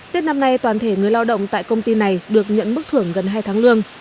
tết năm nay toàn thể người lao động tại công ty này được nhận bức thưởng gần hai tháng lương